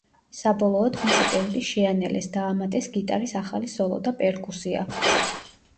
საბოლოოდ, მისი ტემპი შეანელეს, დაამატეს გიტარის ახალი სოლო და პერკუსია.